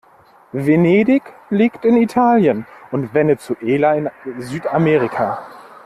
Venedig liegt in Italien und Venezuela in Südamerika.